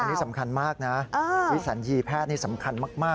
อันนี้สำคัญมากนะวิสัญญีแพทย์นี่สำคัญมาก